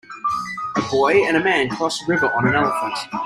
A boy and a man cross a river on an elephant.